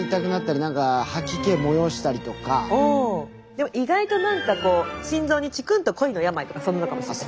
でも意外と何かこう心臓にチクンと恋の病とかそんなのかもしれない。